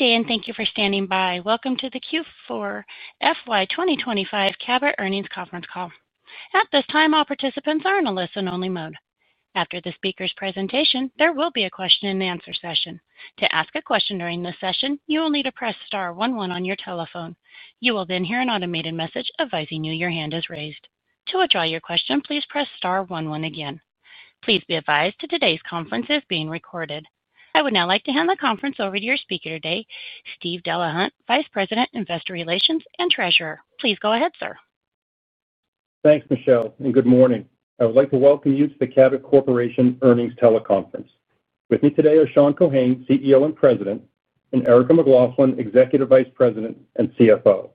Good day, and thank you for standing by. Welcome to the Q4 FY 2025 Cabot earnings conference call. At this time, all participants are in a listen-only mode. After the speaker's presentation, there will be a question-and-answer session. To ask a question during this session, you will need to press star one one on your telephone. You will then hear an automated message advising you your hand is raised. To withdraw your question, please press star one one again. Please be advised that today's conference is being recorded. I would now like to hand the conference over to your speaker today, Steve Delahunt, Vice President, Investor Relations, and Treasurer. Please go ahead, sir. Thanks, Michelle, and good morning. I would like to welcome you to the Cabot Corporation earnings teleconference. With me today are Sean Keohane, CEO and President, and Erica McLaughlin, Executive Vice President and CFO.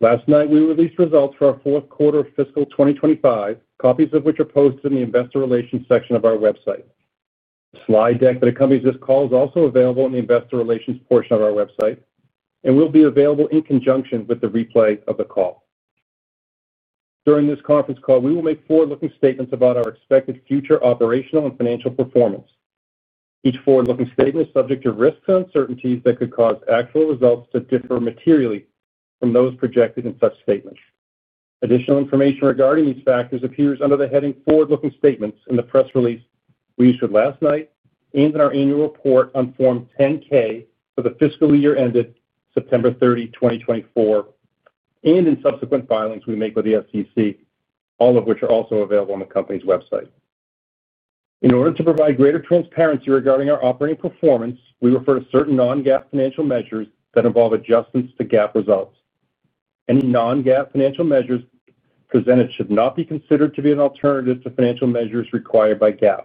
Last night, we released results for our fourth quarter of fiscal 2025, copies of which are posted in the Investor Relations section of our website. The slide deck that accompanies this call is also available in the Investor Relations portion of our website and will be available in conjunction with the replay of the call. During this conference call, we will make forward-looking statements about our expected future operational and financial performance. Each forward-looking statement is subject to risks and uncertainties that could cause actual results to differ materially from those projected in such statements. Additional information regarding these factors appears under the heading "Forward-looking Statements" in the press release we issued last night and in our annual report on Form 10-K for the fiscal year ended September 30, 2024. In subsequent filings we make with the SEC, all of which are also available on the company's website. In order to provide greater transparency regarding our operating performance, we refer to certain non-GAAP financial measures that involve adjustments to GAAP results. Any non-GAAP financial measures presented should not be considered to be an alternative to financial measures required by GAAP.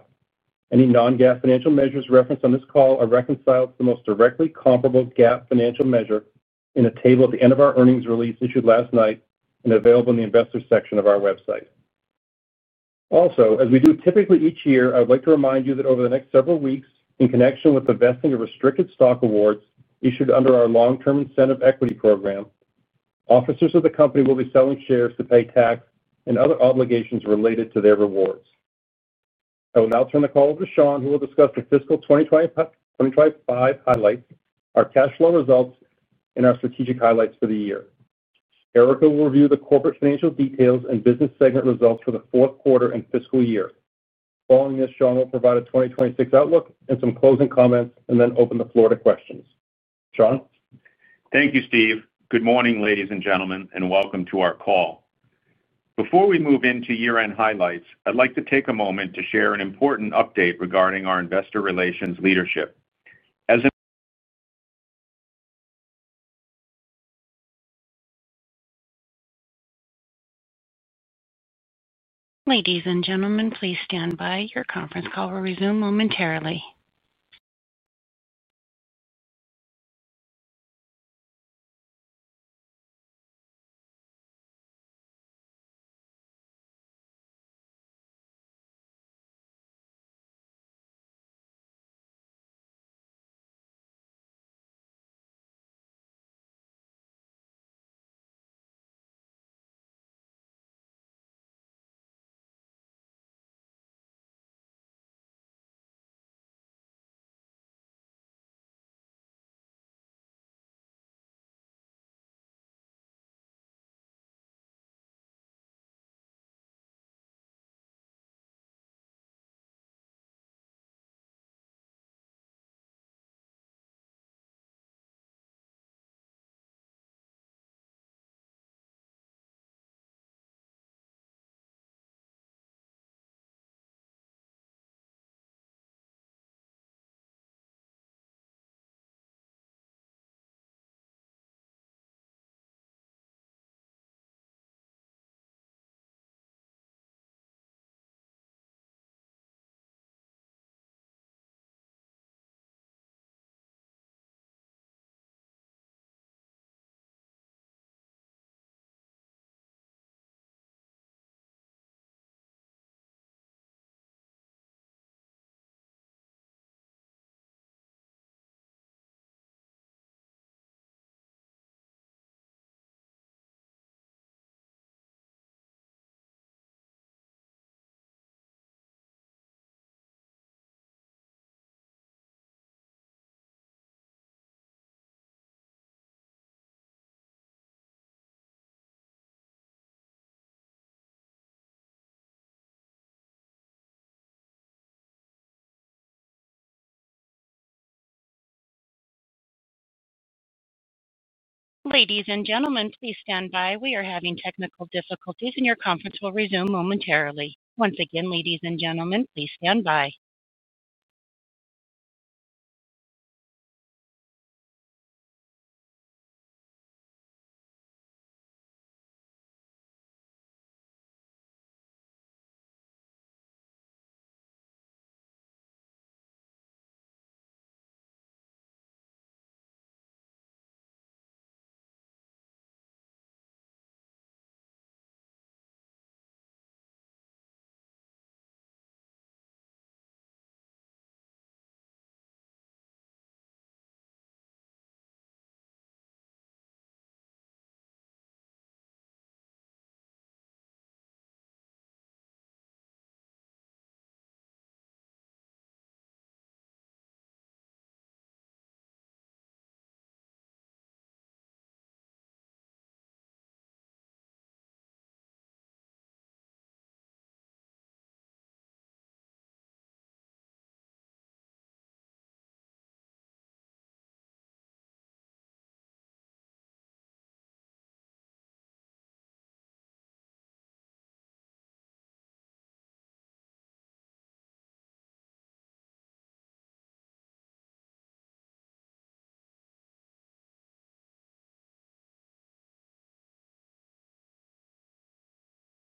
Any non-GAAP financial measures referenced on this call are reconciled to the most directly comparable GAAP financial measure in a table at the end of our earnings release issued last night and available in the investor section of our website. Also, as we do typically each year, I would like to remind you that over the next several weeks, in connection with the vesting of restricted stock awards issued under our long-term incentive equity program, officers of the company will be selling shares to pay tax and other obligations related to their rewards. I will now turn the call over to Sean, who will discuss the fiscal 2025 highlights, our cash flow results, and our strategic highlights for the year. Erica will review the corporate financial details and business segment results for the fourth quarter and fiscal year. Following this, Sean will provide a 2026 outlook and some closing comments, and then open the floor to questions. Sean? Thank you, Steve. Good morning, ladies and gentlemen, and welcome to our call. Before we move into year-end highlights, I'd like to take a moment to share an important update regarding our investor relations leadership. As an. Ladies and gentlemen, please stand by. Your conference call will resume momentarily. Ladies and gentlemen, please stand by. We are having technical difficulties, and your conference will resume momentarily. Once again, ladies and gentlemen, please stand by.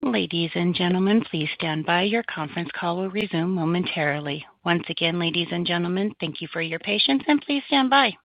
Your conference call will resume momentarily. Once again, ladies and gentlemen, thank you for your patience, and please stand by.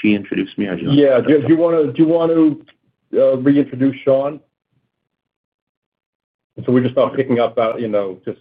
She introduced me. I just wanted to. Yeah. Do you want to reintroduce Sean? So we're just not picking up about just.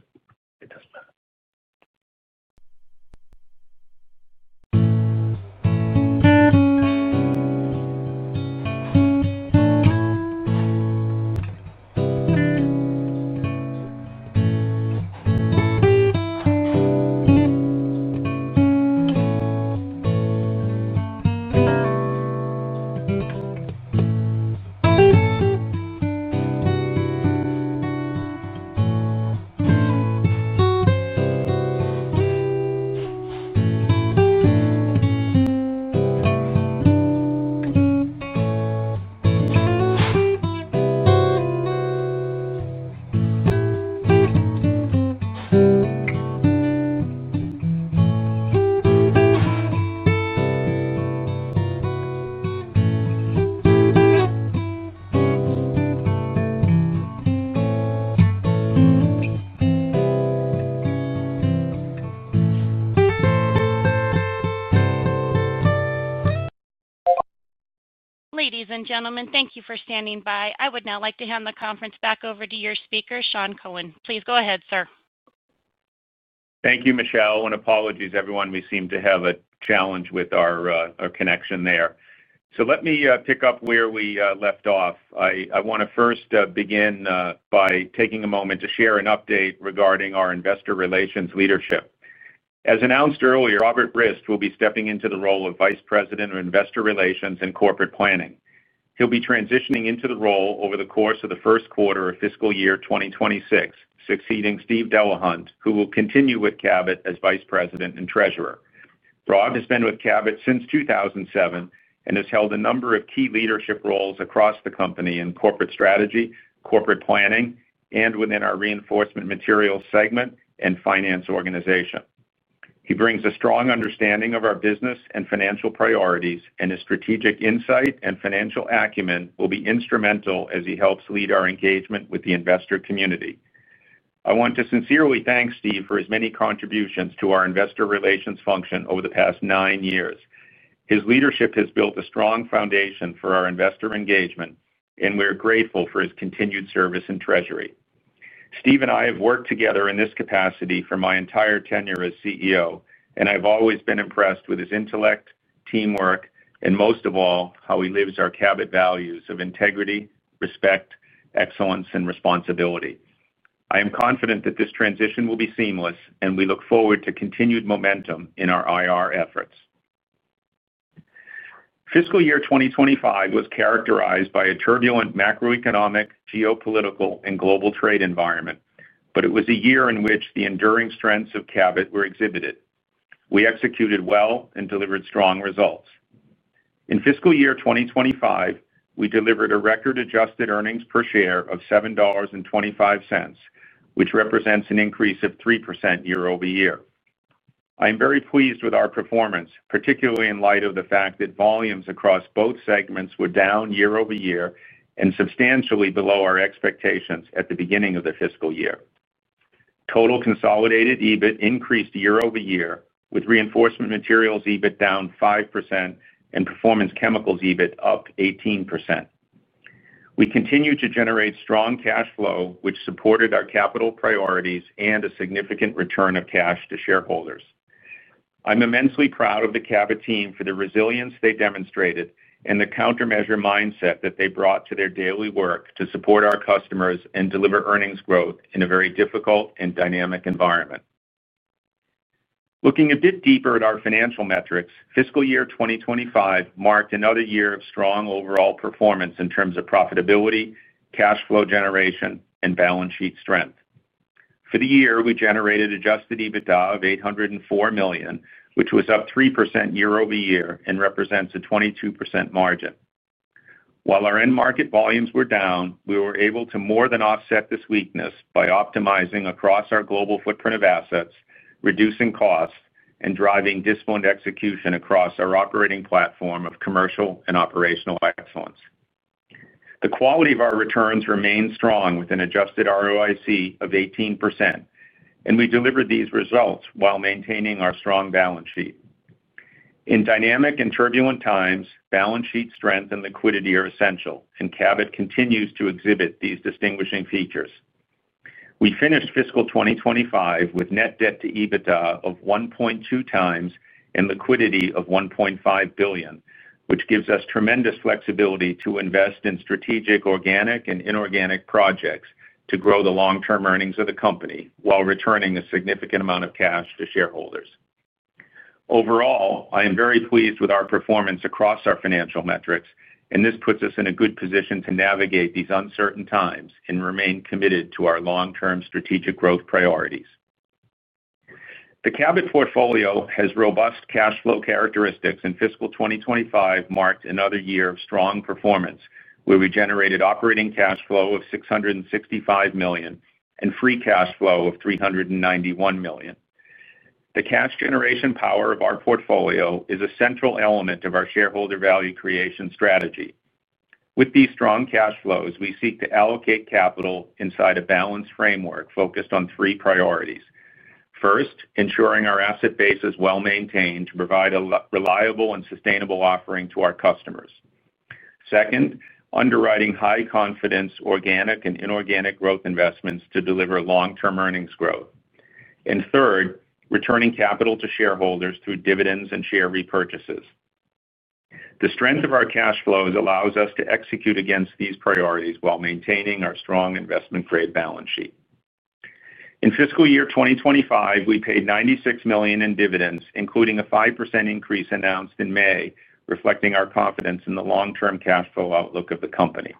Ladies and gentlemen, thank you for standing by. I would now like to hand the conference back over to your speaker, Sean Keohane. Please go ahead, sir. Thank you, Michelle, and apologies, everyone. We seem to have a challenge with our connection there. Let me pick up where we left off. I want to first begin by taking a moment to share an update regarding our investor relations leadership. As announced earlier, Robert Rist will be stepping into the role of Vice President of Investor Relations and Corporate Planning. He'll be transitioning into the role over the course of the first quarter of fiscal year 2026, succeeding Steve Delahunt, who will continue with Cabot as Vice President and Treasurer. Rob has been with Cabot since 2007 and has held a number of key leadership roles across the company in corporate strategy, corporate planning, and within our reinforcement materials segment and finance organization. He brings a strong understanding of our business and financial priorities, and his strategic insight and financial acumen will be instrumental as he helps lead our engagement with the investor community. I want to sincerely thank Steve for his many contributions to our investor relations function over the past nine years. His leadership has built a strong foundation for our investor engagement, and we're grateful for his continued service in Treasury. Steve and I have worked together in this capacity for my entire tenure as CEO, and I've always been impressed with his intellect, teamwork, and most of all, how he lives our Cabot values of integrity, respect, excellence, and responsibility. I am confident that this transition will be seamless, and we look forward to continued momentum in our IR efforts. Fiscal year 2025 was characterized by a turbulent macroeconomic, geopolitical, and global trade environment, but it was a year in which the enduring strengths of Cabot were exhibited. We executed well and delivered strong results. In fiscal year 2025, we delivered a record-adjusted earnings per share of $7.25, which represents an increase of 3% year-over-year. I am very pleased with our performance, particularly in light of the fact that volumes across both segments were down year-over-year and substantially below our expectations at the beginning of the fiscal year. Total consolidated EBIT increased year-over-year, with reinforcement materials EBIT down 5% and performance chemicals EBIT up 18%. We continued to generate strong cash flow, which supported our capital priorities and a significant return of cash to shareholders. I'm immensely proud of the Cabot team for the resilience they demonstrated and the countermeasure mindset that they brought to their daily work to support our customers and deliver earnings growth in a very difficult and dynamic environment. Looking a bit deeper at our financial metrics, fiscal year 2025 marked another year of strong overall performance in terms of profitability, cash flow generation, and balance sheet strength. For the year, we generated adjusted EBITDA of $804 million, which was up 3% year-over-year and represents a 22% margin. While our end-market volumes were down, we were able to more than offset this weakness by optimizing across our global footprint of assets, reducing costs, and driving disciplined execution across our operating platform of commercial and operational excellence. The quality of our returns remained strong with an adjusted ROIC of 18%, and we delivered these results while maintaining our strong balance sheet. In dynamic and turbulent times, balance sheet strength and liquidity are essential, and Cabot continues to exhibit these distinguishing features. We finished fiscal 2025 with net debt to EBITDA of 1.2x and liquidity of $1.5 billion, which gives us tremendous flexibility to invest in strategic organic and inorganic projects to grow the long-term earnings of the company while returning a significant amount of cash to shareholders. Overall, I am very pleased with our performance across our financial metrics, and this puts us in a good position to navigate these uncertain times and remain committed to our long-term strategic growth priorities. The Cabot portfolio has robust cash flow characteristics, and fiscal 2025 marked another year of strong performance where we generated operating cash flow of $665 million and free cash flow of $391 million. The cash generation power of our portfolio is a central element of our shareholder value creation strategy. With these strong cash flows, we seek to allocate capital inside a balanced framework focused on three priorities. First, ensuring our asset base is well maintained to provide a reliable and sustainable offering to our customers. Second, underwriting high-confidence organic and inorganic growth investments to deliver long-term earnings growth. Third, returning capital to shareholders through dividends and share repurchases. The strength of our cash flows allows us to execute against these priorities while maintaining our strong investment-grade balance sheet. In fiscal year 2025, we paid $96 million in dividends, including a 5% increase announced in May, reflecting our confidence in the long-term cash flow outlook of the company.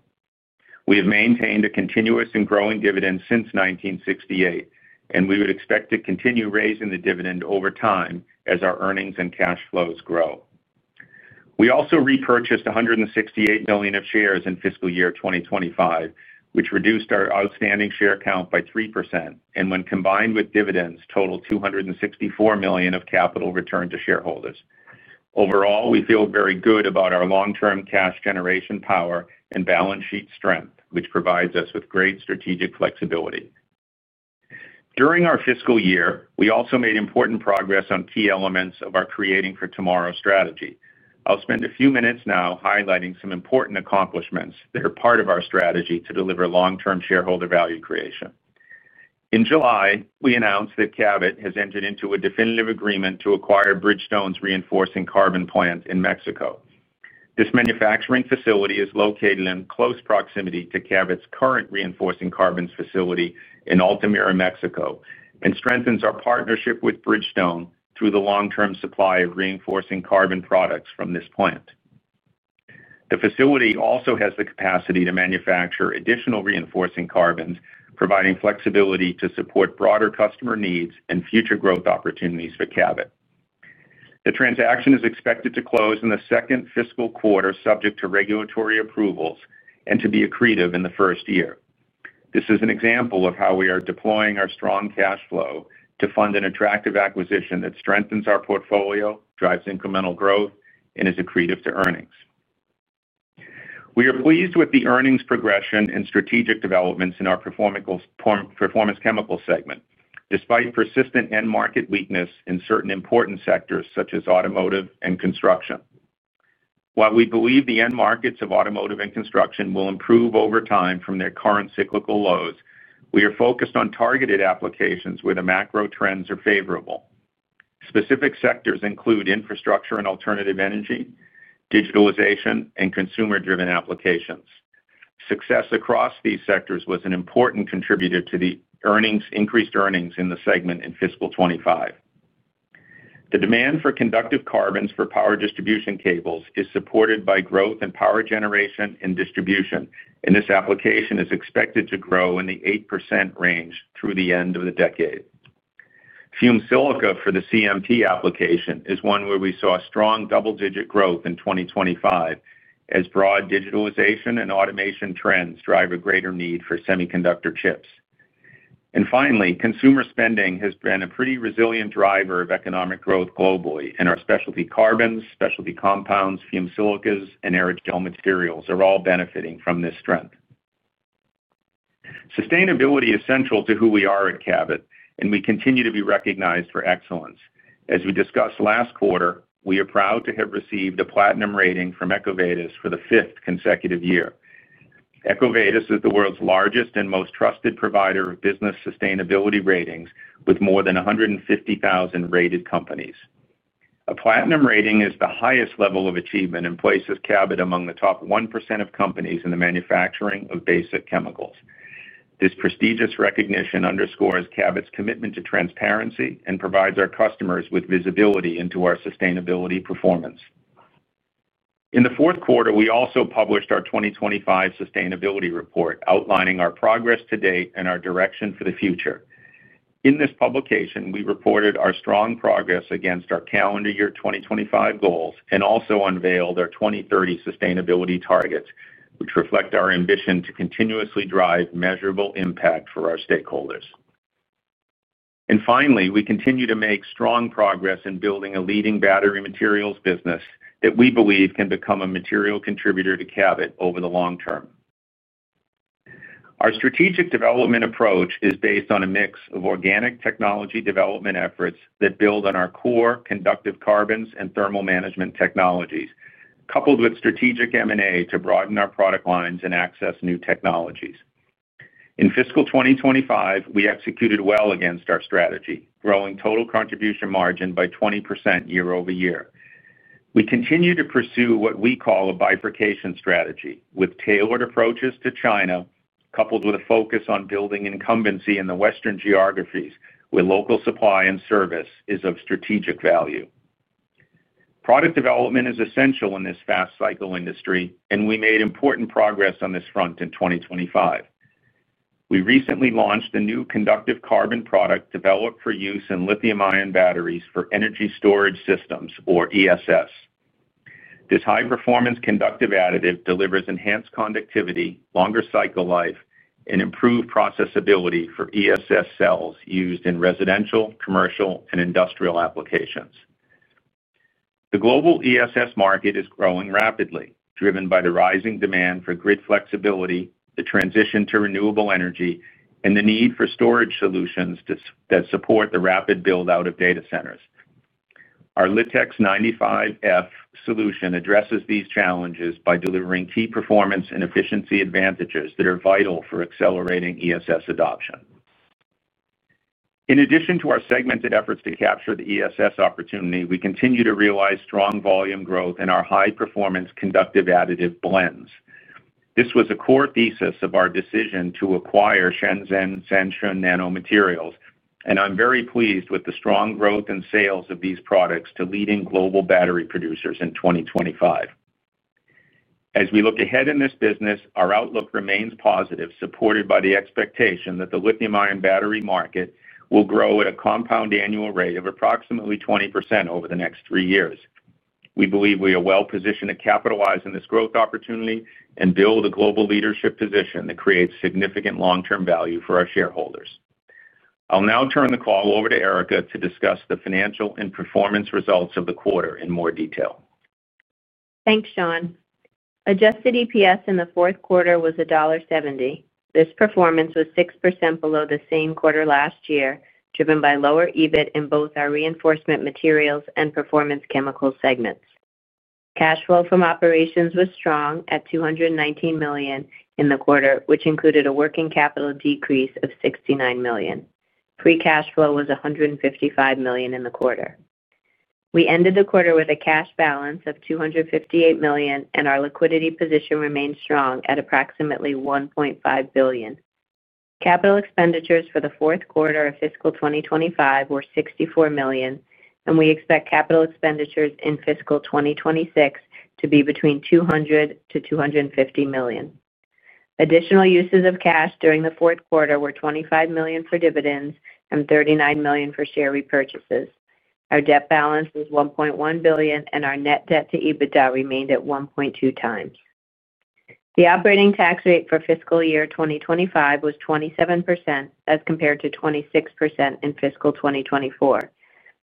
We have maintained a continuous and growing dividend since 1968, and we would expect to continue raising the dividend over time as our earnings and cash flows grow. We also repurchased $168 million of shares in fiscal year 2025, which reduced our outstanding share count by 3%, and when combined with dividends, totaled $264 million of capital returned to shareholders. Overall, we feel very good about our long-term cash generation power and balance sheet strength, which provides us with great strategic flexibility. During our fiscal year, we also made important progress on key elements of our Creating for Tomorrow strategy. I'll spend a few minutes now highlighting some important accomplishments that are part of our strategy to deliver long-term shareholder value creation. In July, we announced that Cabot has entered into a definitive agreement to acquire Bridgestone's reinforcing carbon plants in Mexico. This manufacturing facility is located in close proximity to Cabot's current reinforcing carbon facility in Altamira, Mexico, and strengthens our partnership with Bridgestone through the long-term supply of reinforcing carbon products from this plant. The facility also has the capacity to manufacture additional reinforcing carbons, providing flexibility to support broader customer needs and future growth opportunities for Cabot. The transaction is expected to close in the second fiscal quarter, subject to regulatory approvals, and to be accretive in the first year. This is an example of how we are deploying our strong cash flow to fund an attractive acquisition that strengthens our portfolio, drives incremental growth, and is accretive to earnings. We are pleased with the earnings progression and strategic developments in our performance chemical segment, despite persistent end-market weakness in certain important sectors such as automotive and construction. While we believe the end markets of automotive and construction will improve over time from their current cyclical lows, we are focused on targeted applications where the macro trends are favorable. Specific sectors include infrastructure and alternative energy, digitalization, and consumer-driven applications. Success across these sectors was an important contributor to the increased earnings in the segment in fiscal 2025. The demand for conductive carbons for power distribution cables is supported by growth in power generation and distribution, and this application is expected to grow in the 8% range through the end of the decade. Fume silica for the CMT application is one where we saw strong double-digit growth in 2025, as broad digitalization and automation trends drive a greater need for semiconductor chips. Finally, consumer spending has been a pretty resilient driver of economic growth globally, and our specialty carbons, specialty compounds, fume silicas, and aerogel materials are all benefiting from this strength. Sustainability is central to who we are at Cabot, and we continue to be recognized for excellence. As we discussed last quarter, we are proud to have received a Platinum rating from EcoVadis for the fifth consecutive year. EcoVadis is the world's largest and most trusted provider of business sustainability ratings, with more than 150,000 rated companies. A Platinum rating is the highest level of achievement and places Cabot among the top 1% of companies in the manufacturing of basic chemicals. This prestigious recognition underscores Cabot's commitment to transparency and provides our customers with visibility into our sustainability performance. In the fourth quarter, we also published our 2025 sustainability report, outlining our progress to date and our direction for the future. In this publication, we reported our strong progress against our calendar year 2025 goals and also unveiled our 2030 sustainability targets, which reflect our ambition to continuously drive measurable impact for our stakeholders. Finally, we continue to make strong progress in building a leading battery materials business that we believe can become a material contributor to Cabot over the long term. Our strategic development approach is based on a mix of organic technology development efforts that build on our core conductive carbons and thermal management technologies, coupled with strategic M&A to broaden our product lines and access new technologies. In fiscal 2025, we executed well against our strategy, growing total contribution margin by 20% year-over-year. We continue to pursue what we call a bifurcation strategy, with tailored approaches to China, coupled with a focus on building incumbency in the Western geographies where local supply and service is of strategic value. Product development is essential in this fast-cycling industry, and we made important progress on this front in 2025. We recently launched a new conductive carbon product developed for use in lithium-ion batteries for energy storage systems, or ESS. This high-performance conductive additive delivers enhanced conductivity, longer cycle life, and improved processability for ESS cells used in residential, commercial, and industrial applications. The global ESS market is growing rapidly, driven by the rising demand for grid flexibility, the transition to renewable energy, and the need for storage solutions that support the rapid build-out of data centers. Our LITX 95F solution addresses these challenges by delivering key performance and efficiency advantages that are vital for accelerating ESS adoption. In addition to our segmented efforts to capture the ESS opportunity, we continue to realize strong volume growth in our high-performance conductive additive blends. This was a core thesis of our decision to acquire Shenzhen Sanshun Nano Materials, and I'm very pleased with the strong growth in sales of these products to leading global battery producers in 2025. As we look ahead in this business, our outlook remains positive, supported by the expectation that the lithium-ion battery market will grow at a compound annual rate of approximately 20% over the next three years. We believe we are well positioned to capitalize on this growth opportunity and build a global leadership position that creates significant long-term value for our shareholders. I'll now turn the call over to Erica to discuss the financial and performance results of the quarter in more detail. Thanks, Sean. Adjusted EPS in the fourth quarter was $1.70. This performance was 6% below the same quarter last year, driven by lower EBIT in both our reinforcement materials and performance chemicals segments. Cash flow from operations was strong at $219 million in the quarter, which included a working capital decrease of $69 million. Free cash flow was $155 million in the quarter. We ended the quarter with a cash balance of $258 million, and our liquidity position remained strong at approximately $1.5 billion. Capital expenditures for the fourth quarter of fiscal 2025 were $64 million, and we expect capital expenditures in fiscal 2026 to be between $200 million-$250 million. Additional uses of cash during the fourth quarter were $25 million for dividends and $39 million for share repurchases. Our debt balance was $1.1 billion, and our net debt to EBITDA remained at 1.2x. The operating tax rate for fiscal year 2025 was 27%, as compared to 26% in fiscal 2024.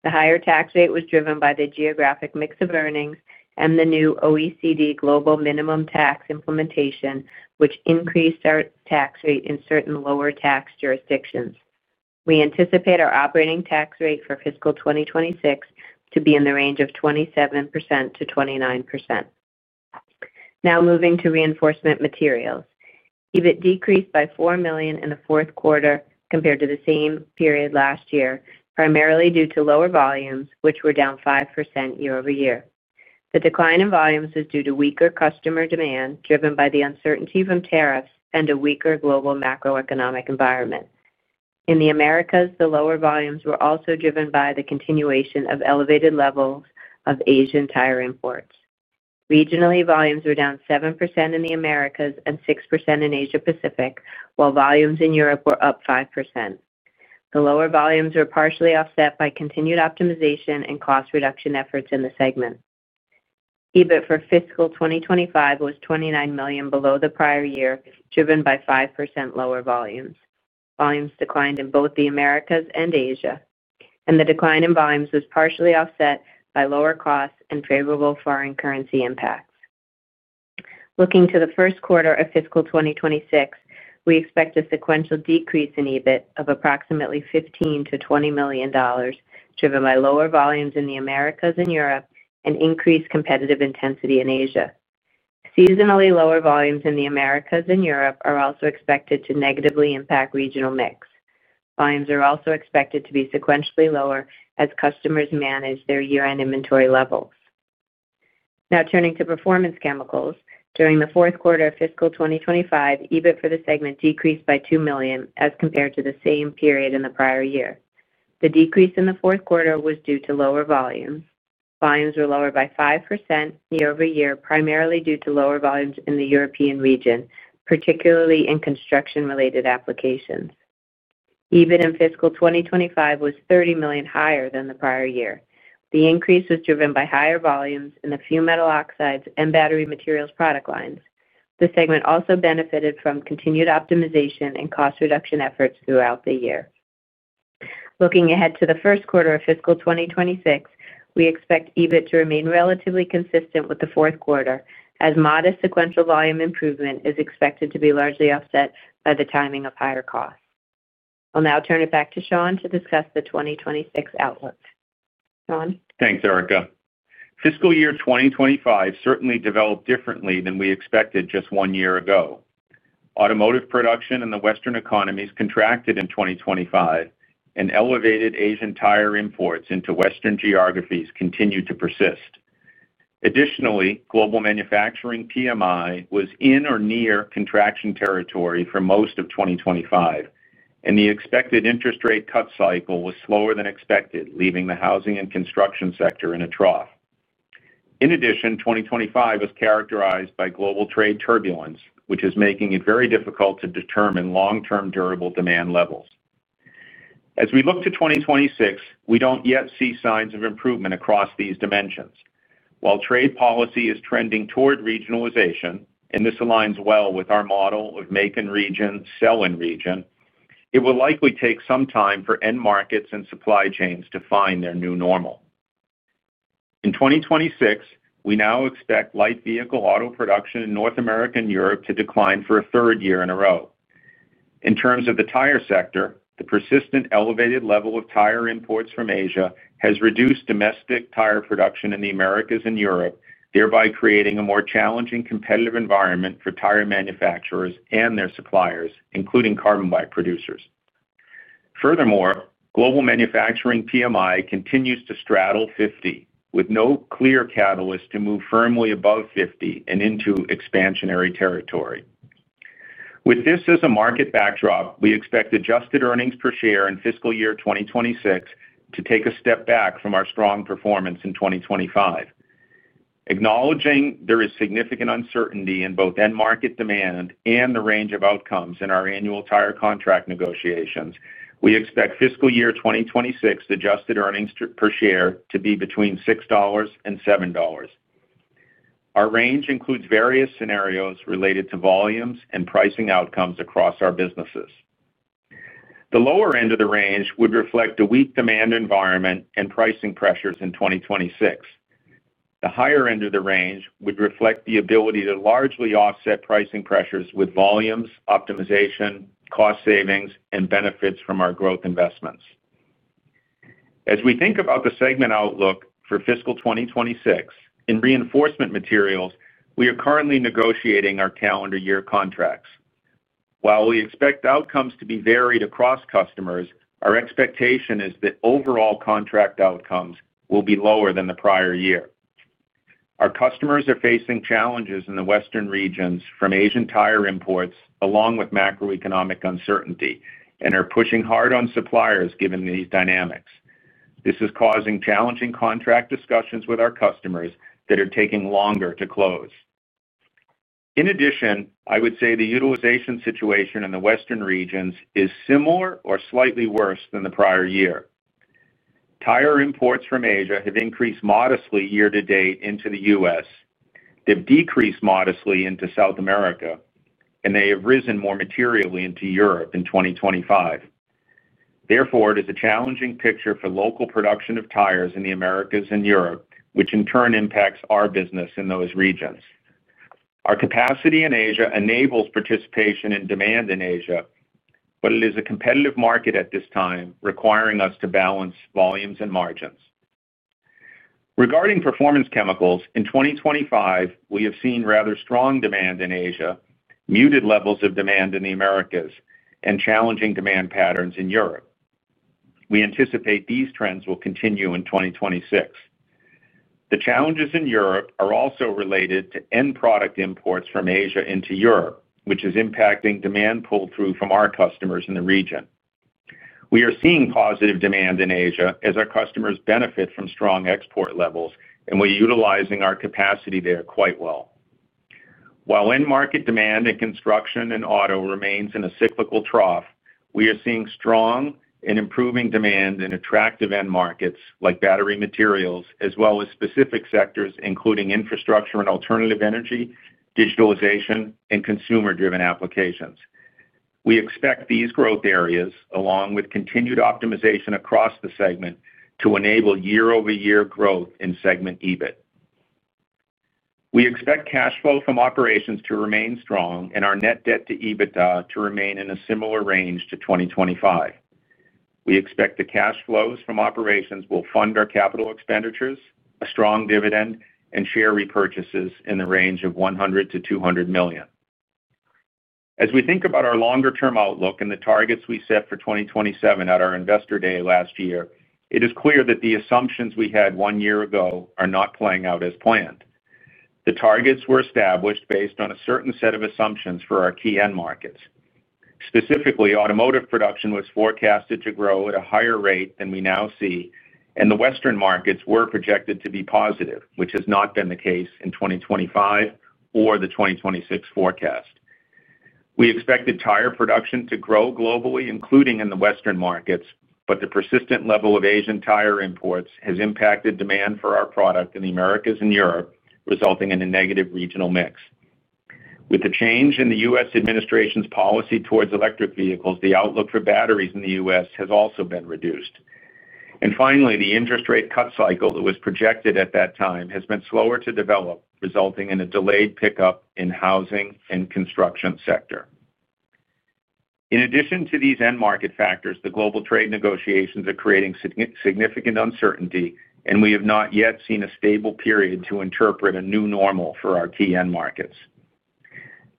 The higher tax rate was driven by the geographic mix of earnings and the new OECD Global Minimum Tax Implementation, which increased our tax rate in certain lower tax jurisdictions. We anticipate our operating tax rate for fiscal 2026 to be in the range of 27%-29%. Now moving to reinforcement materials. EBIT decreased by $4 million in the fourth quarter compared to the same period last year, primarily due to lower volumes, which were down 5% year-over-year. The decline in volumes was due to weaker customer demand, driven by the uncertainty from tariffs, and a weaker global macroeconomic environment. In the Americas, the lower volumes were also driven by the continuation of elevated levels of Asian tire imports. Regionally, volumes were down 7% in the Americas and 6% in Asia-Pacific, while volumes in Europe were up 5%. The lower volumes were partially offset by continued optimization and cost reduction efforts in the segment. EBIT for fiscal 2025 was $29 million below the prior year, driven by 5% lower volumes. Volumes declined in both the Americas and Asia, and the decline in volumes was partially offset by lower costs and favorable foreign currency impacts. Looking to the first quarter of fiscal 2026, we expect a sequential decrease in EBIT of approximately $15 million-$20 million, driven by lower volumes in the Americas and Europe and increased competitive intensity in Asia. Seasonally lower volumes in the Americas and Europe are also expected to negatively impact regional mix. Volumes are also expected to be sequentially lower as customers manage their year-end inventory levels. Now turning to performance chemicals. During the fourth quarter of fiscal 2025, EBIT for the segment decreased by $2 million as compared to the same period in the prior year. The decrease in the fourth quarter was due to lower volumes. Volumes were lower by 5% year-over-year, primarily due to lower volumes in the European region, particularly in construction-related applications. EBIT in fiscal 2025 was $30 million higher than the prior year. The increase was driven by higher volumes in the fumed metal oxides and battery materials product lines. The segment also benefited from continued optimization and cost reduction efforts throughout the year. Looking ahead to the first quarter of fiscal 2026, we expect EBIT to remain relatively consistent with the fourth quarter, as modest sequential volume improvement is expected to be largely offset by the timing of higher costs. I'll now turn it back to Sean to discuss the 2026 outlook. Sean? Thanks, Erica. Fiscal year 2025 certainly developed differently than we expected just one year ago. Automotive production in the Western economies contracted in 2025, and elevated Asian tire imports into Western geographies continued to persist. Additionally, global manufacturing PMI was in or near contraction territory for most of 2025, and the expected interest rate cut cycle was slower than expected, leaving the housing and construction sector in a trough. In addition, 2025 was characterized by global trade turbulence, which is making it very difficult to determine long-term durable demand levels. As we look to 2026, we don't yet see signs of improvement across these dimensions. While trade policy is trending toward regionalization, and this aligns well with our model of make in region, sell in region, it will likely take some time for end markets and supply chains to find their new normal. In 2026, we now expect light vehicle auto production in North America and Europe to decline for a third year in a row. In terms of the tire sector, the persistent elevated level of tire imports from Asia has reduced domestic tire production in the Americas and Europe, thereby creating a more challenging competitive environment for tire manufacturers and their suppliers, including carbon black producers. Furthermore, global manufacturing PMI continues to straddle 50, with no clear catalyst to move firmly above 50 and into expansionary territory. With this as a market backdrop, we expect adjusted earnings per share in fiscal year 2026 to take a step back from our strong performance in 2025. Acknowledging there is significant uncertainty in both end market demand and the range of outcomes in our annual tire contract negotiations, we expect fiscal year 2026 adjusted earnings per share to be between $6 and $7. Our range includes various scenarios related to volumes and pricing outcomes across our businesses. The lower end of the range would reflect a weak demand environment and pricing pressures in 2026. The higher end of the range would reflect the ability to largely offset pricing pressures with volumes, optimization, cost savings, and benefits from our growth investments. As we think about the segment outlook for fiscal 2026, in reinforcement materials, we are currently negotiating our calendar year contracts. While we expect outcomes to be varied across customers, our expectation is that overall contract outcomes will be lower than the prior year. Our customers are facing challenges in the Western regions from Asian tire imports, along with macroeconomic uncertainty, and are pushing hard on suppliers given these dynamics. This is causing challenging contract discussions with our customers that are taking longer to close. In addition, I would say the utilization situation in the Western regions is similar or slightly worse than the prior year. Tire imports from Asia have increased modestly year to date into the U.S. They've decreased modestly into South America, and they have risen more materially into Europe in 2025. Therefore, it is a challenging picture for local production of tires in the Americas and Europe, which in turn impacts our business in those regions. Our capacity in Asia enables participation in demand in Asia, but it is a competitive market at this time, requiring us to balance volumes and margins. Regarding performance chemicals, in 2025, we have seen rather strong demand in Asia, muted levels of demand in the Americas, and challenging demand patterns in Europe. We anticipate these trends will continue in 2026. The challenges in Europe are also related to end product imports from Asia into Europe, which is impacting demand pull-through from our customers in the region. We are seeing positive demand in Asia as our customers benefit from strong export levels, and we're utilizing our capacity there quite well. While end market demand in construction and auto remains in a cyclical trough, we are seeing strong and improving demand in attractive end markets like battery materials, as well as specific sectors including infrastructure and alternative energy, digitalization, and consumer-driven applications. We expect these growth areas, along with continued optimization across the segment, to enable year-over-year growth in segment EBIT. We expect cash flow from operations to remain strong and our net debt to EBITDA to remain in a similar range to 2025. We expect the cash flows from operations will fund our capital expenditures, a strong dividend, and share repurchases in the range of $100 million-$200 million. As we think about our longer-term outlook and the targets we set for 2027 at our investor day last year, it is clear that the assumptions we had one year ago are not playing out as planned. The targets were established based on a certain set of assumptions for our key end markets. Specifically, automotive production was forecasted to grow at a higher rate than we now see, and the Western markets were projected to be positive, which has not been the case in 2025 or the 2026 forecast. We expected tire production to grow globally, including in the Western markets, but the persistent level of Asian tire imports has impacted demand for our product in the Americas and Europe, resulting in a negative regional mix. With the change in the U.S. administration's policy towards electric vehicles, the outlook for batteries in the U.S. has also been reduced. Finally, the interest rate cut cycle that was projected at that time has been slower to develop, resulting in a delayed pickup in housing and construction sector. In addition to these end market factors, the global trade negotiations are creating significant uncertainty, and we have not yet seen a stable period to interpret a new normal for our key end markets.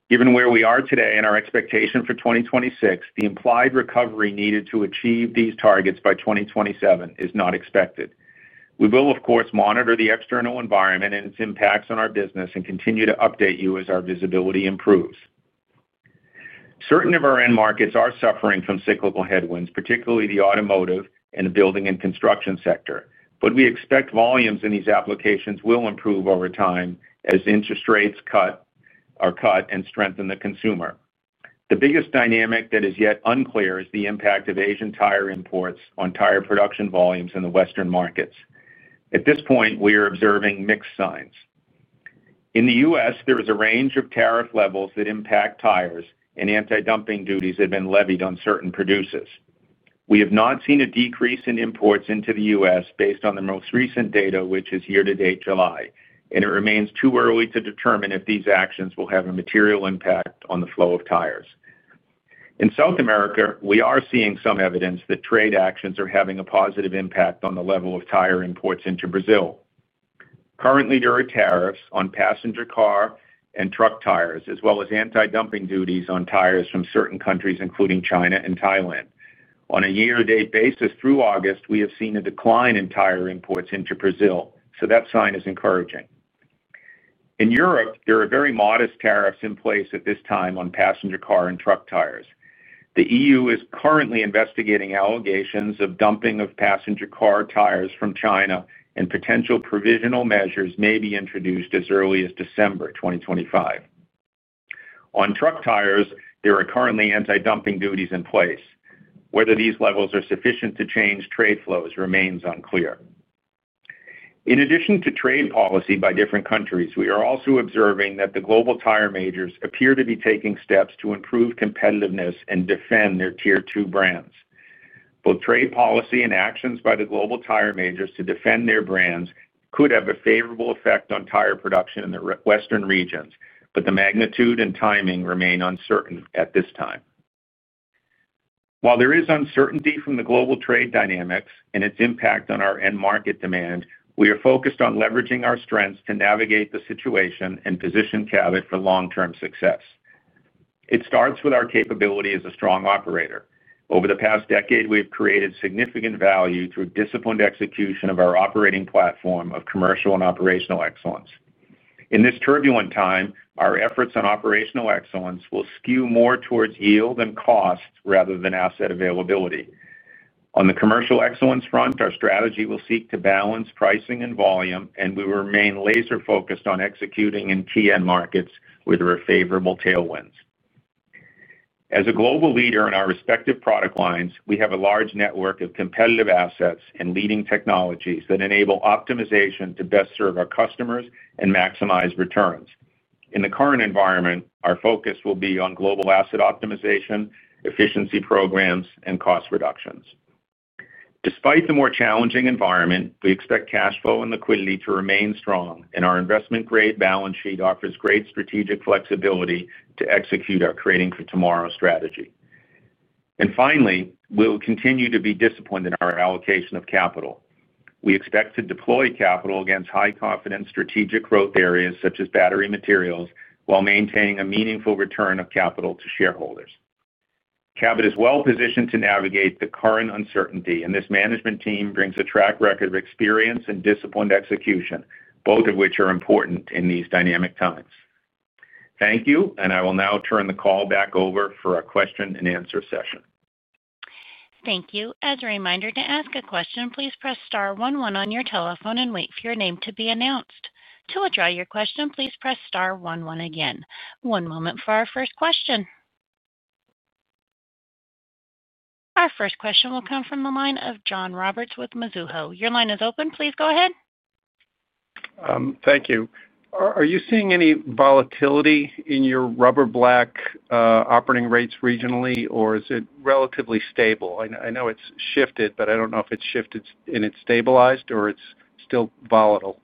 Given where we are today and our expectation for 2026, the implied recovery needed to achieve these targets by 2027 is not expected. We will, of course, monitor the external environment and its impacts on our business and continue to update you as our visibility improves. Certain of our end markets are suffering from cyclical headwinds, particularly the automotive and the building and construction sector, but we expect volumes in these applications will improve over time as interest rates are cut and strengthen the consumer. The biggest dynamic that is yet unclear is the impact of Asian tire imports on tire production volumes in the Western markets. At this point, we are observing mixed signs. In the U.S., there is a range of tariff levels that impact tires, and anti-dumping duties have been levied on certain producers. We have not seen a decrease in imports into the U.S. Based on the most recent data, which is year-to-date July, it remains too early to determine if these actions will have a material impact on the flow of tires. In South America, we are seeing some evidence that trade actions are having a positive impact on the level of tire imports into Brazil. Currently, there are tariffs on passenger car and truck tires, as well as anti-dumping duties on tires from certain countries, including China and Thailand. On a year-to-date basis through August, we have seen a decline in tire imports into Brazil, so that sign is encouraging. In Europe, there are very modest tariffs in place at this time on passenger car and truck tires. The EU is currently investigating allegations of dumping of passenger car tires from China, and potential provisional measures may be introduced as early as December 2025. On truck tires, there are currently anti-dumping duties in place. Whether these levels are sufficient to change trade flows remains unclear. In addition to trade policy by different countries, we are also observing that the global tire majors appear to be taking steps to improve competitiveness and defend their Tier II brands. Both trade policy and actions by the global tire majors to defend their brands could have a favorable effect on tire production in the Western regions, but the magnitude and timing remain uncertain at this time. While there is uncertainty from the global trade dynamics and its impact on our end market demand, we are focused on leveraging our strengths to navigate the situation and position Cabot for long-term success. It starts with our capability as a strong operator. Over the past decade, we have created significant value through disciplined execution of our operating platform of commercial and operational excellence. In this turbulent time, our efforts on operational excellence will skew more towards yield and cost rather than asset availability. On the commercial excellence front, our strategy will seek to balance pricing and volume, and we will remain laser-focused on executing in key end markets where there are favorable tailwinds. As a global leader in our respective product lines, we have a large network of competitive assets and leading technologies that enable optimization to best serve our customers and maximize returns. In the current environment, our focus will be on global asset optimization, efficiency programs, and cost reductions. Despite the more challenging environment, we expect cash flow and liquidity to remain strong, and our investment-grade balance sheet offers great strategic flexibility to execute our creating-for-tomorrow strategy. Finally, we will continue to be disciplined in our allocation of capital. We expect to deploy capital against high-confidence strategic growth areas such as battery materials while maintaining a meaningful return of capital to shareholders. Cabot is well-positioned to navigate the current uncertainty, and this management team brings a track record of experience and disciplined execution, both of which are important in these dynamic times. Thank you, and I will now turn the call back over for a question-and-answer session. Thank you. As a reminder, to ask a question, please press star one one on your telephone and wait for your name to be announced. To withdraw your question, please press star one one again. One moment for our first question. Our first question will come from the line of John Roberts with Mizuho. Your line is open. Please go ahead. Thank you. Are you seeing any volatility in your rubber-black operating rates regionally, or is it relatively stable? I know it's shifted, but I don't know if it's shifted and it's stabilized or it's still volatile.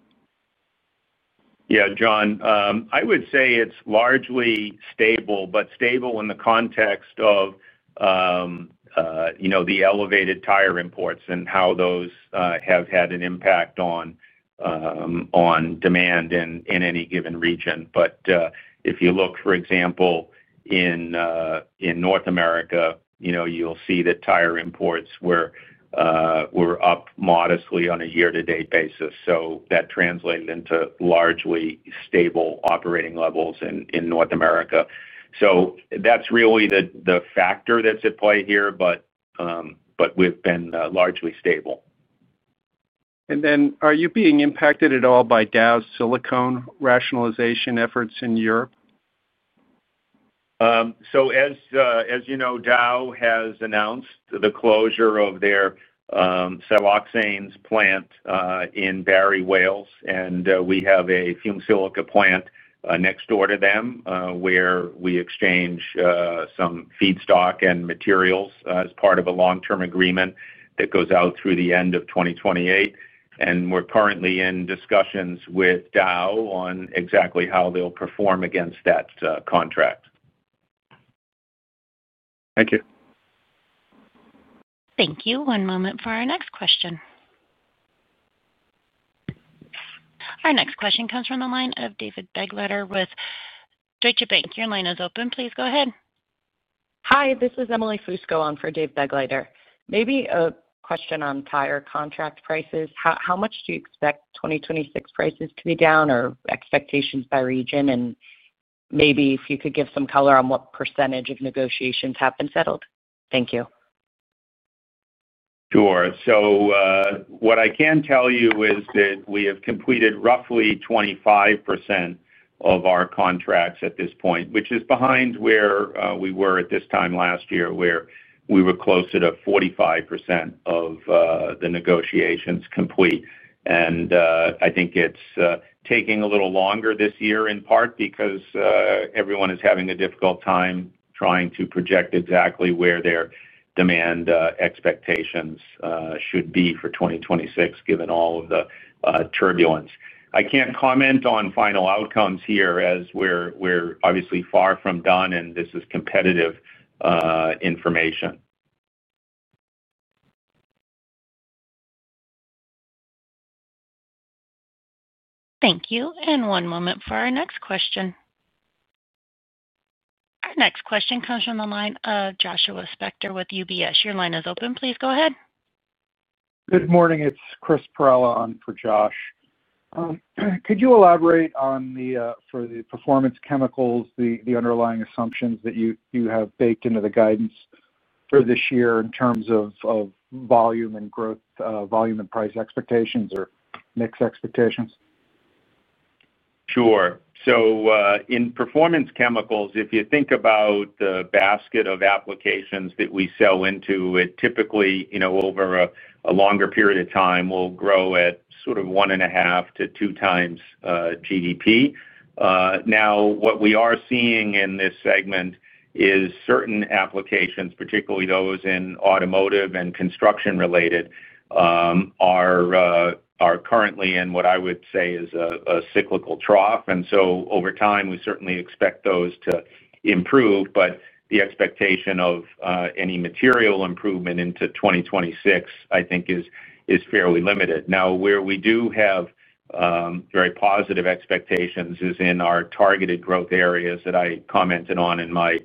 Yeah, John, I would say it's largely stable, but stable in the context of the elevated tire imports and how those have had an impact on demand in any given region. If you look, for example, in North America, you'll see that tire imports were up modestly on a year-to-date basis. That translated into largely stable operating levels in North America. That's really the factor that's at play here, but we've been largely stable. Are you being impacted at all by Dow's silicone rationalization efforts in Europe? As you know, Dow has announced the closure of their siloxanes plant in Barry, Wales, and we have a fume silica plant next door to them where we exchange some feedstock and materials as part of a long-term agreement that goes out through the end of 2028. We're currently in discussions with Dow on exactly how they'll perform against that contract. Thank you. Thank you. One moment for our next question. Our next question comes from the line of David Begleiter with Deutsche Bank. Your line is open. Please go ahead. Hi, this is Emily Fusco on for Dave Begleiter. Maybe a question on tire contract prices. How much do you expect 2026 prices to be down or expectations by region? Maybe if you could give some color on what percentage of negotiations have been settled. Thank you. Sure. What I can tell you is that we have completed roughly 25% of our contracts at this point, which is behind where we were at this time last year, where we were close to 45% of the negotiations complete. I think it's taking a little longer this year, in part because everyone is having a difficult time trying to project exactly where their demand expectations should be for 2026, given all of the turbulence. I can't comment on final outcomes here as we're obviously far from done, and this is competitive information. Thank you. One moment for our next question. Our next question comes from the line of Joshua Spector with UBS. Your line is open. Please go ahead. Good morning. It's Chris Perrella on for Josh. Could you elaborate on the performance chemicals, the underlying assumptions that you have baked into the guidance for this year in terms of volume and growth, volume and price expectations, or mix expectations? Sure. In performance chemicals, if you think about the basket of applications that we sell into, it typically, over a longer period of time, will grow at sort of one and a half to two times GDP. Now, what we are seeing in this segment is certain applications, particularly those in automotive and construction-related, are currently in what I would say is a cyclical trough. Over time, we certainly expect those to improve, but the expectation of any material improvement into 2026, I think, is fairly limited. Where we do have very positive expectations is in our targeted growth areas that I commented on in my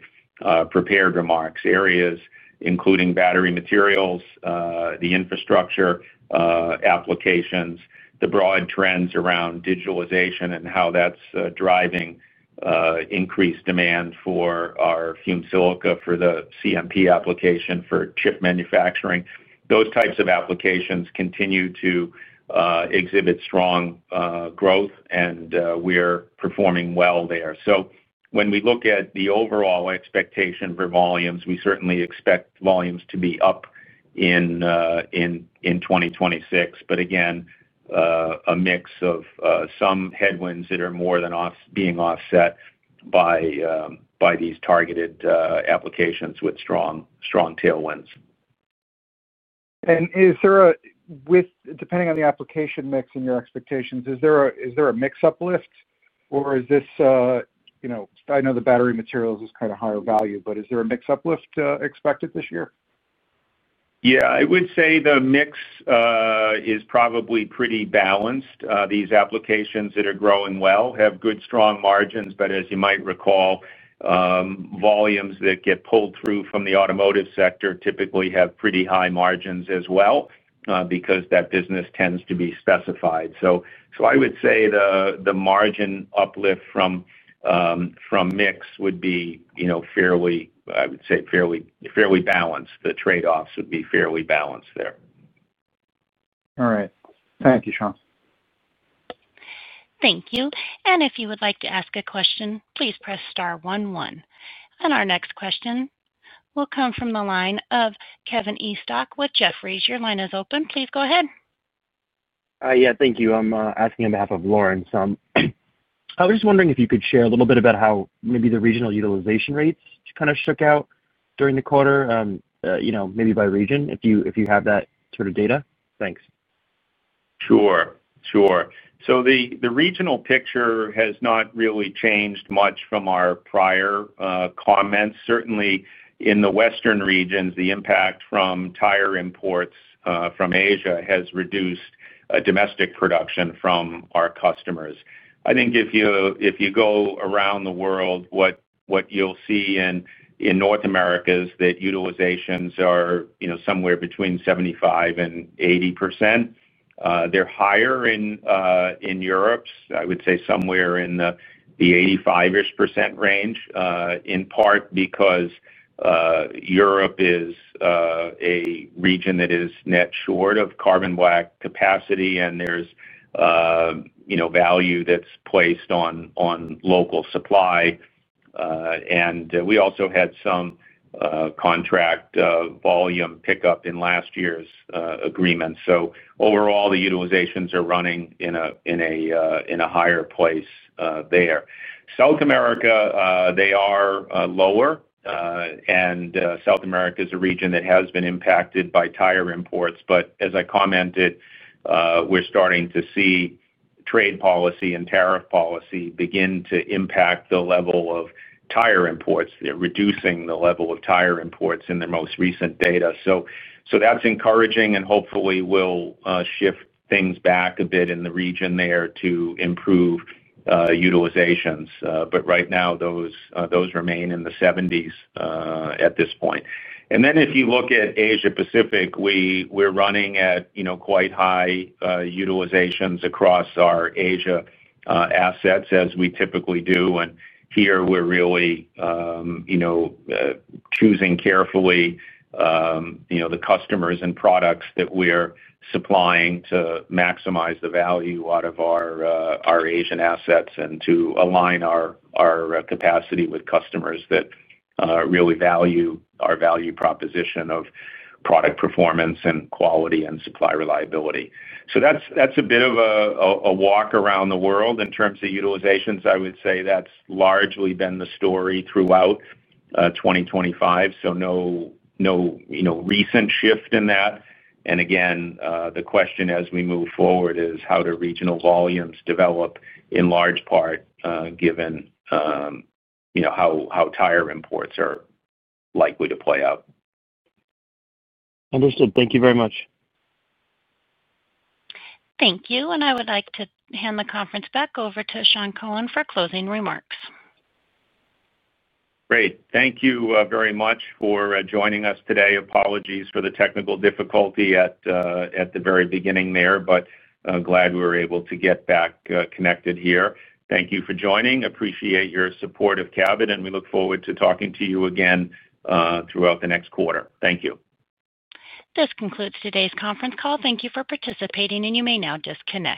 prepared remarks. Areas including battery materials, the infrastructure applications, the broad trends around digitalization, and how that is driving increased demand for our fume silica for the CMP application for chip manufacturing. Those types of applications continue to exhibit strong growth, and we are performing well there. When we look at the overall expectation for volumes, we certainly expect volumes to be up in 2026. Again, a mix of some headwinds that are more than being offset by these targeted applications with strong tailwinds. Depending on the application mix and your expectations, is there a mix uplift, or is this—I know the battery materials is kind of higher value, but is there a mix uplift expected this year? Yeah, I would say the mix is probably pretty balanced. These applications that are growing well have good, strong margins, but as you might recall, volumes that get pulled through from the automotive sector typically have pretty high margins as well because that business tends to be specified. I would say the margin uplift from mix would be fairly—I would say fairly balanced. The trade-offs would be fairly balanced there. All right. Thank you, Sean. Thank you. If you would like to ask a question, please press star one one. Our next question will come from the line of Kevin Estok with Jefferies. Your line is open. Please go ahead. Yeah, thank you. I am asking on behalf of Lauren. I was just wondering if you could share a little bit about how maybe the regional utilization rates kind of struck out during the quarter, maybe by region, if you have that sort of data. Thanks. Sure. The regional picture has not really changed much from our prior comments. Certainly, in the Western regions, the impact from tire imports from Asia has reduced domestic production from our customers. I think if you go around the world, what you will see in North America is that utilizations are somewhere between 75% and 80%. They are higher in Europe. I would say somewhere in the 85% range, in part because Europe is a region that is net short of carbon black capacity, and there is value that is placed on local supply. We also had some. Contract volume pickup in last year's agreement. Overall, the utilizations are running in a higher place there. South America, they are lower. South America is a region that has been impacted by tire imports. As I commented, we're starting to see trade policy and tariff policy begin to impact the level of tire imports, reducing the level of tire imports in their most recent data. That's encouraging, and hopefully, we'll shift things back a bit in the region there to improve utilizations. Right now, those remain in the 70s at this point. If you look at Asia-Pacific, we're running at quite high utilizations across our Asia assets as we typically do. Here, we're really choosing carefully the customers and products that we're supplying to maximize the value out of our Asian assets and to align our capacity with customers that really value our value proposition of product performance and quality and supply reliability. That's a bit of a walk around the world. In terms of utilizations, I would say that's largely been the story throughout 2025. No recent shift in that. Again, the question as we move forward is how do regional volumes develop in large part given how tire imports are likely to play out. Understood. Thank you very much. Thank you. I would like to hand the conference back over to Sean Keohane for closing remarks. Great. Thank you very much for joining us today. Apologies for the technical difficulty at the very beginning there, but glad we were able to get back connected here. Thank you for joining. Appreciate your support of Cabot, and we look forward to talking to you again throughout the next quarter. Thank you. This concludes today's conference call. Thank you for participating, and you may now disconnect.